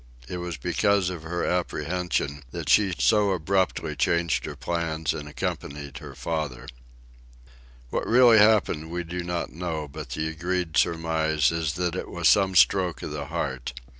It was because of her apprehension that she so abruptly changed her plans and accompanied her father. What really happened we do not know, but the agreed surmise is that it was some stroke of the heart.